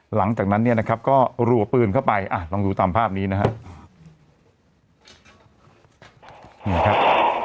หลังจากนั้นก็หรั่วปืนเข้าไปลองดูตามภาพนี้นะครับ